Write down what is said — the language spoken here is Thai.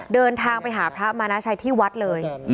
เดินทางไปหาพระมานาชัยที่วัดเลย